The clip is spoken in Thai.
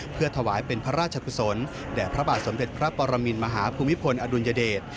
เพื่อถวายเป็นพระราชกุศลแด่พระบาทสมเด็จพระปรมินมหาภูมิพลอดุลยเดช